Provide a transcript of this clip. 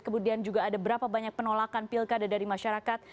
kemudian juga ada berapa banyak penolakan pilkada dari masyarakat